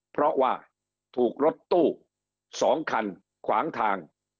เพราะว่าถูกรถตู้๒คันขวางทาง